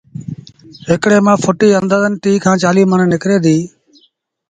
هڪڙي مآݩ ڦُٽيٚ آݩدآزن ٽيٚه کآݩ چآليٚه مڻ نڪري ديٚ